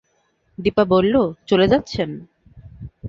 দিপা বলল, চলে যাচ্ছেন?